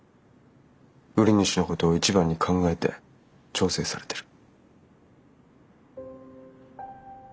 売り主のことを一番に考えて調整されてる。